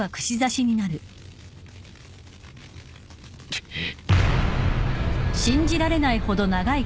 くっ。